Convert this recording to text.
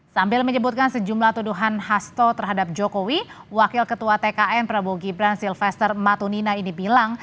sambil menyebutkan sejumlah tuduhan hasto terhadap jokowi wakil ketua tkn prabowo gibran silvester matunina ini bilang